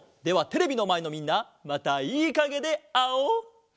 ではテレビのまえのみんなまたいいかげであおう！